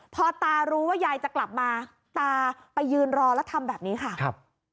พอตารู้ว่ายายจะกลับมาตาไปยืนรอแล้วทำแบบนี้ค่ะครับ